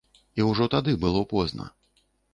І ўжо тады было позна.